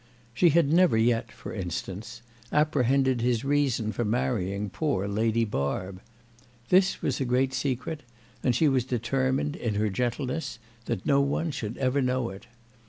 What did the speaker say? She had never yet, for instance, apprehended his reason for marrying poor Lady Barb. This was a great secret, and she was determined, in her gentleness, that no one should ever know it.